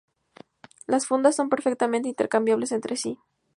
Las fundas son perfectamente intercambiables entre sí.